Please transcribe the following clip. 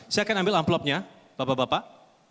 saya akan ambil amplopnya bapak bapak